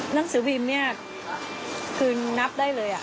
หนังสือพิมพ์นี่คือนับได้เลย